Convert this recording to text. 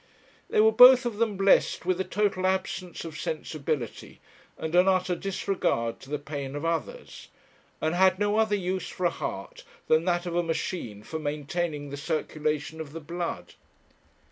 They were both of them blessed with a total absence of sensibility and an utter disregard to the pain of others, and had no other use for a heart than that of a machine for maintaining the circulation of the blood.